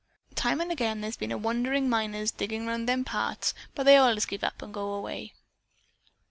Time and again there's been wanderin' miners diggin' around in them parts, but they allays give up and go away."